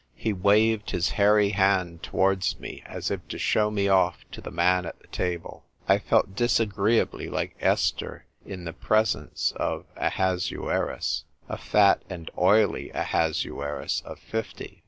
He waved his hairy hand to wards me as if to show me off to the man at the table. I felt disagreeably like Esther in the presence of Ahasueru.s — a fat and oily Ahasuerus of fifty.